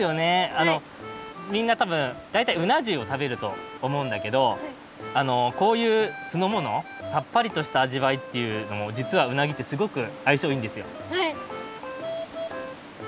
あのみんなたぶんだいたいうなじゅうをたべるとおもうんだけどこういうすのものさっぱりとしたあじわいっていうのもじつはうなぎってすごくあいしょういいんですよ。